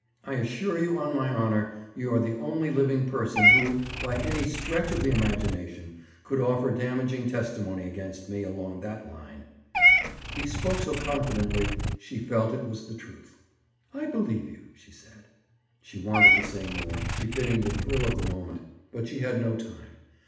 I assure you, on my honor, you are the only living person who, by any stretch of the imagination, could offer damaging testimony against me, along that line." He spoke so confidently she felt it was the truth. "I believe you," she said. She wanted to say more, befitting the thrill of the moment, but she had no time.